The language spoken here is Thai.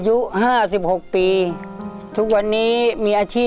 ลูกทุ่งสู้ชีวิต